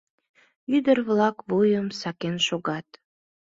Ӱдыр-влак вуйым сакен шогат.